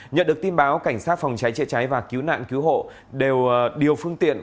nhận được tin báo cảnh sát phòng cháy chữa cháy và cứu nạn cứu hộ đều điều phương tiện